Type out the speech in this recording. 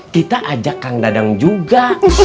kita ajak kang dadang juga